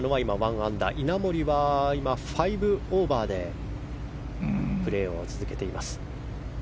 稲森は今、５オーバーでプレーを続けています。